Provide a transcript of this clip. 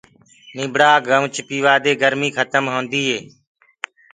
نيبڙآ گنوُچ پيوآ دي گرمي کتم هوندي هي۔